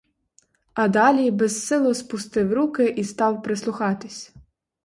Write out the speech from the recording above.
А далі безсило спустив руки і став прислухатись.